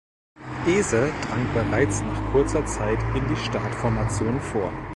Eze drang bereits nach kurzer Zeit in die Startformation vor.